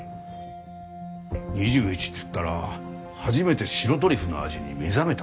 ２１っていったら初めて白トリュフの味に目覚めた年だな。